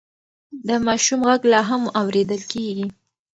د ماشوم غږ لا هم اورېدل کېږي.